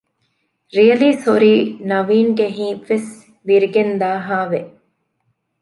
ރިއަލީ ސޮރީ ނަވީންގެ ހިތްވެސް ވިރިގެންދާހާވެ